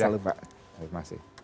dan salam lupa